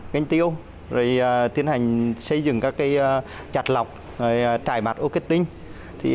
canh tiêu tiến hành xây dựng các chặt lọc trải bạc ô kết tinh